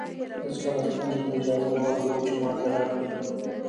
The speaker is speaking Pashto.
هېڅکله ستونزو ته اجازه نه ورکوو چې ماتې راکړي.